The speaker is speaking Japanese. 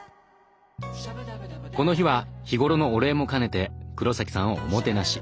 この日は日頃のお礼も兼ねて黒崎さんをおもてなし。